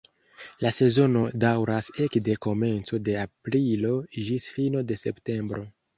La sezono daŭras ekde komenco de aprilo ĝis fino de septembro.